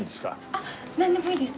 あっなんでもいいです。